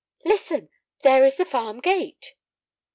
"Listen, there is the farm gate."